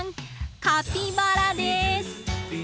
カピバラです！